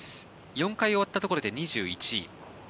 ４回終わったところで２１位。